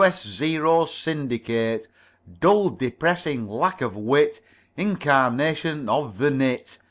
S. Zero Syndicate, Dull, depressing, lack of wit, Incarnation of the nit.